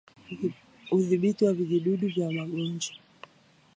Udhibiti wa vijidudu vya magonjwa